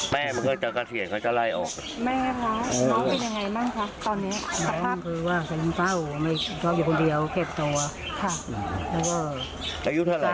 แม่มันก็จะกระเศียรเขาจะไล่ออก